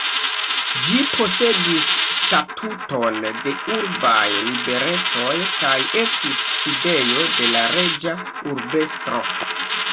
Ĝi posedis statuton de urbaj liberecoj kaj estis sidejo de la reĝa urbestro.